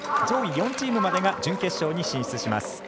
上位４チームまでが準決勝に進出します。